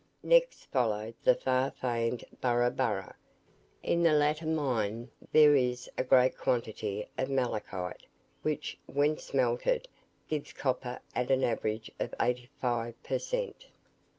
Next followed the far famed Burra Burra. In the latter mine there is a great quantity of malachite, which, when smelted, gives copper at an average of eighty five per cent.